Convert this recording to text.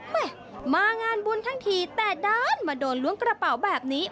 แม่มางานบุญทั้งทีแต่ด้านมาโดนล้วงกระเป๋าแบบนี้